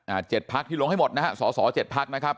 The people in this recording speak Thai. เจ็ดพักที่ลงให้หมดนะฮะสอสอเจ็ดพักนะครับ